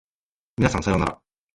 皆さんさようなら